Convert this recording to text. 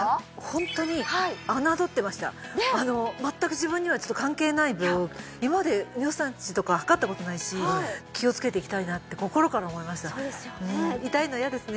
ホントに侮ってました全く自分には関係ないと今まで尿酸値とか測ったことないし気をつけていきたいなって心から思いましたそうですよね痛いの嫌ですね